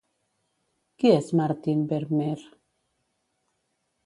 Qui és Martin Vermeer?